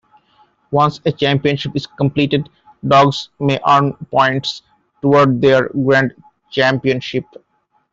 Once a Championship is completed, dogs may earn points toward their Grand Championship.